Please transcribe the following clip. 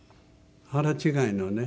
腹違いのね